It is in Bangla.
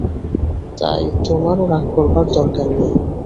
তাই তোমারও রাগ করার দরকার নেই।